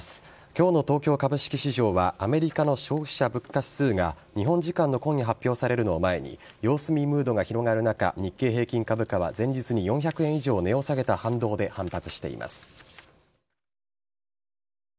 今日の東京株式市場はアメリカの消費者物価指数が日本時間の今夜発表されるのを前に様子見ムードが広がる中日経平均株価は前日に４００円以上値を下げた反動で反発しています。